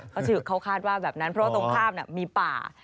เขาชิวเขาคาดว่าแบบนั้นเพราะตรงข้ามมีป่า